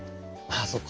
あそっか。